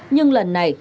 nhưng lần này